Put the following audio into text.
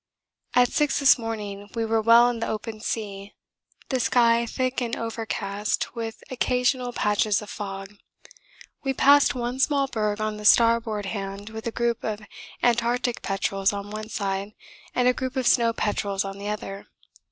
At six this morning we were well in the open sea, the sky thick and overcast with occasional patches of fog. We passed one small berg on the starboard hand with a group of Antarctic petrels on one side and a group of snow petrels on the other.